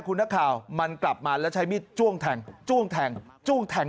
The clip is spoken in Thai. คุณนักข่าวมันกลับมาแล้วใช้มีดจ้วงแทงจ้วงแทงจ้วงแทง